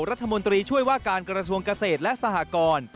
รัฐมนตรีช่วยว่าการกระทรวงเกษตรและสหกร